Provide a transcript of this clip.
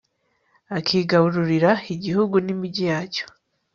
akigarurira igihugu n'imigi yacyo